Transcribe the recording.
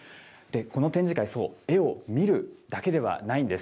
この展示会、そう、絵を見るだけではないんです。